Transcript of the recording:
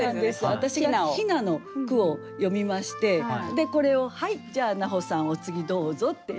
私がヒナの句を詠みましてでこれを「はいじゃあ菜穂さんお次どうぞ」って。